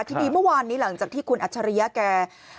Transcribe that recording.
ทีนี้เมื่อวานนี้หลังจากที่คุณอัจฉริยะแก